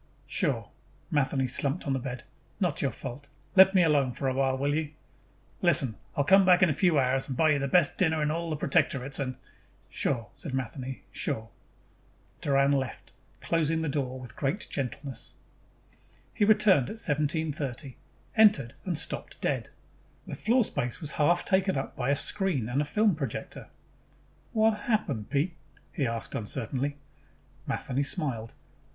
"Sure." Matheny slumped on the bed. "Not your fault. Let me alone for a while, will you?" "Listen, I will come back in a few hours and buy you the best dinner in all the Protectorates and " "Sure," said Matheny. "Sure." Doran left, closing the door with great gentleness. He returned at 1730, entered, and stopped dead. The floor space was half taken up by a screen and a film projector. "What happened, Pete?" he asked uncertainly. Matheny smiled.